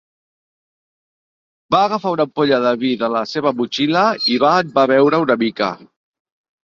Va agafar una ampolla de vi de la seva motxilla i va en va beure una mica.